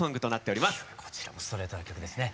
こちらもストレートな曲ですね。